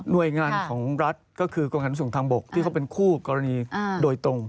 โดยงานของรัฐก็คือกรมฐานส่งทางบกที่เขาเป็นคู่กรณีโดยตรง